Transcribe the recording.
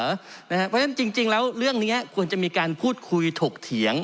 เพราะฉะนั้นจริงแล้วเรื่องนี้ควรจะมีการพูดคุยถกเถียง